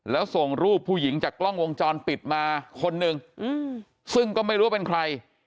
แล้วส่งรูปผู้หญิงจากกล้องวงจรปิดมาคนหนึ่งซึ่งก็ไม่รู้ว่าเป็นใคร